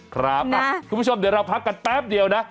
คุณผู้ชมเดี๋ยวเราพักกันแป๊บเดียวนะ